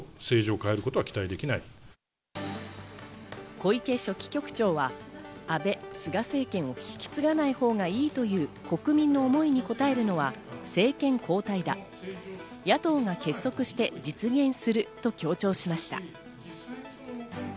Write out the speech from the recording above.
小池書記局長は、安倍・菅政権を引き継がないほうがいいという国民の思いにこたえるのは政権交代だ、野党が結束して実現すると強調しました。